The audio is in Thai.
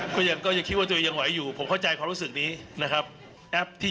ก็ยังก็ยังคิดว่าตัวเองยังไหวอยู่ผมเข้าใจความรู้สึกนี้นะครับ